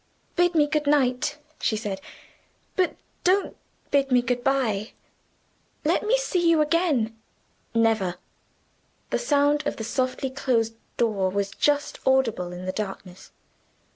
"Bid me good night," she said, "but don't bid me good by. Let me see you again." "Never!" The sound of the softly closed door was just audible in the darkness.